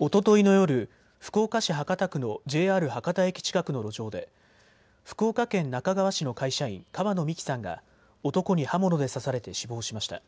おとといの夜、福岡市博多区のＪＲ博多駅近くの路上で福岡県那珂川市の会社員、川野美樹さんが男に刃物で刺されて死亡しました。